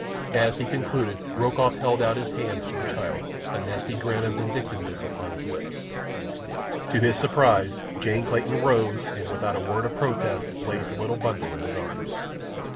As he concluded Rokoff held out his hands for the child, a nasty grin of vindictiveness upon his lips. To his surprise Jane Clayton rose and, without a word of protest, laid the little bundle in his arms.